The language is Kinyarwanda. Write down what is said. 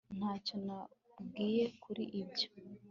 ntacyo nabwiwe kuri ibyo